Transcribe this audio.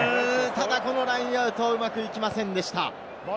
このラインアウト、うまくいきませんでした。